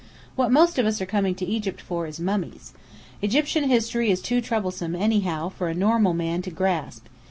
"What most of us are coming to Egypt for is mummies. Egyptian history is too troublesome, anyhow, for a normal man to grasp.